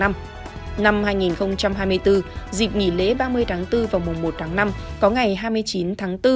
năm hai nghìn hai mươi bốn dịp nghỉ lễ ba mươi tháng bốn và mùa một tháng năm có ngày hai mươi chín tháng bốn